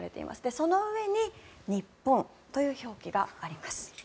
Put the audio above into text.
その上に日本という表記があります。